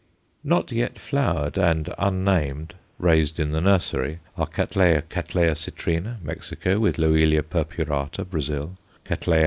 Not yet flowered and unnamed, raised in the Nursery, are Catt. citrina, Mexico, with Loelia purpurata, Brazil; _Catt.